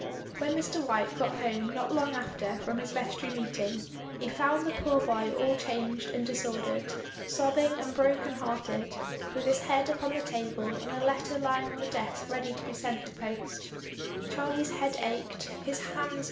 When Mr. White got home not long after from his vestry meeting he found the poor boy all changed and disordered, sobbing and broken hearted, with his head upon the table and the letter lying on the desk ready to be sent to post Charlie's head ached, his hands.